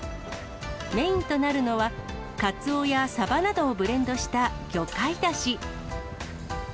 メインとなるのは、カツオやサバなどをブレンドした魚介だし。